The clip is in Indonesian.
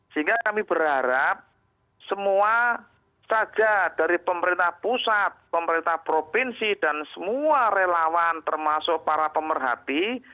sehingga kami berharap semua saja dari pemerintah pusat pemerintah provinsi dan semua relawan termasuk para pemerhati